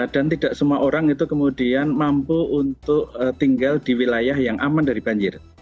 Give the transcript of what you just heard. dan tidak semua orang itu kemudian mampu untuk tinggal di wilayah yang aman dari banjir